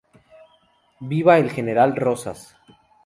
Viva el general Rosas"".